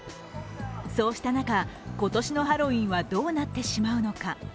そうした中、今年のハロウィーンはどうなってしまうのか。